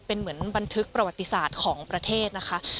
เป็นเหมือนบันทึกประวัติศาสตร์ของประเทศนะคะ